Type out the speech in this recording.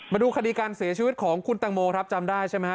มาดูคดีการเสียชีวิตของคุณตังโมครับจำได้ใช่ไหมฮ